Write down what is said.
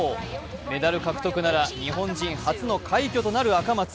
メダル獲得なら日本人初の快挙となる赤松。